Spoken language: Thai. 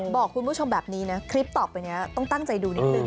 บอกคุณผู้ชมแบบนี้นะคลิปต่อไปนี้ต้องตั้งใจดูนิดนึง